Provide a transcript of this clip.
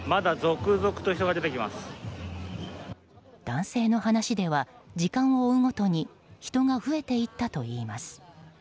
男性の話では時間を追うごとに人が増えていったといいます。